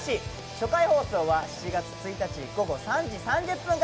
初回放送は７月１日午後３時３０分からです。